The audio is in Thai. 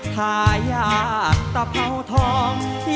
ถ้าอยากตะเผาทอง